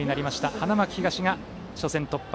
花巻東が初戦突破。